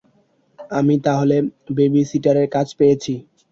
আমি তাহলে বেবিসিটারের কাজ পেয়েছি?